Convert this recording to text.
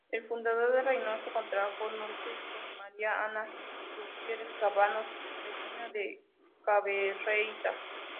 El fundador de Reynosa contrajo nupcias con María Ana Gertrudis Cavazos, vecina de Cadereyta.